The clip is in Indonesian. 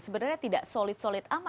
sebenarnya tidak solid solid